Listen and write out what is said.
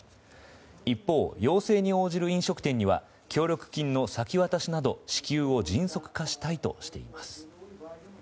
一方、要請に応じる飲食店には協力金の先渡しなど、支給を迅速化したいとしています。